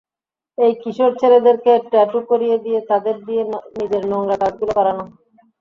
এই কিশোর ছেলেদেরকে ট্যাটু করিয়ে দিয়ে তাদের দিয়ে নিজের নোংরা কাজগুলো করানো।